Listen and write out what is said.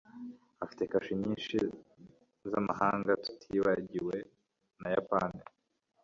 afite kashe nyinshi zamahanga, tutibagiwe nayapani